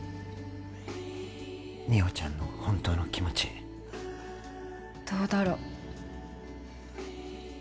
美穂ちゃんの本当の気持ちどうだろう